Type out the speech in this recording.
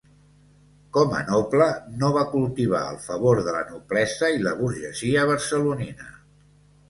Com a noble, no va cultivar el favor de la noblesa i la burgesia barcelonina.